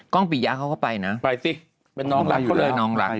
กล้องปิยาเขาก็ไปนะก็ไปสิเป็นน้องรักเขาเลย